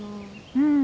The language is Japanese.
うん。